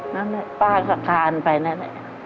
นั่นเนี่ยป้าก็คานไปนั่นเนี่ย